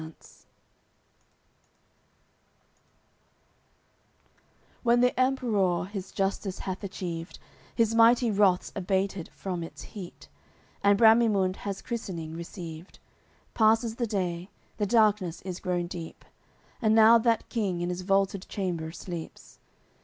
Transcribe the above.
CCXCI When the Emperour his justice hath achieved, His mighty wrath's abated from its heat, And Bramimunde has christening received; Passes the day, the darkness is grown deep, And now that King in 's vaulted chamber sleeps.